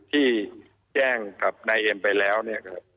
ที่แจ้งกับนายเอ็มไปแล้วเนี่ย